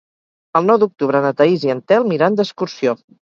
El nou d'octubre na Thaís i en Telm iran d'excursió.